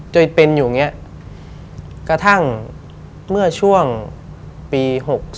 จนเป็นอยู่อย่างนี้กระทั่งเมื่อช่วงปี๖๒